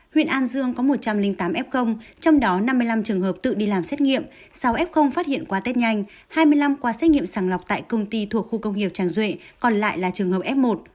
huyện an dương có một trăm linh tám f trong đó năm mươi năm trường hợp tự đi làm xét nghiệm sau f phát hiện qua test nhanh hai mươi năm qua xét nghiệm sàng lọc tại công ty thuộc khu công nghiệp tràng duệ còn lại là trường hợp f một